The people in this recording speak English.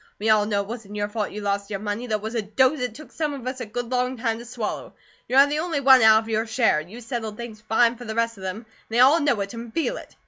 We all know it wasn't your fault you lost your money, though it was a dose it took some of us a good long time to swallow. You are the only one out of your share; you settled things fine for the rest of them; and they all know it, and feel it.